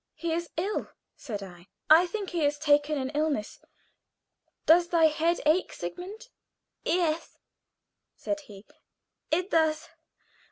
"He is ill," said I. "I think he has taken an illness. Does thy head ache, Sigmund?" "Yes," said he, "it does.